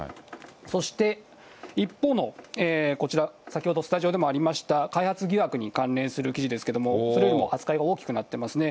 そして一方のこちら、先ほどスタジオでもありました開発疑惑に関連する記事ですけれども、それよりも扱いが大きくなってますね。